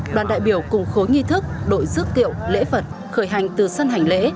đoàn đại biểu cùng khối nghi thức đội dước kiệu lễ phật khởi hành từ sân hành lễ